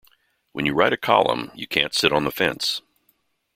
When you write a column, you can't sit on the fence.